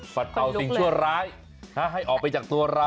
เป่าสิ่งชั่วร้ายให้ออกไปจากตัวเรา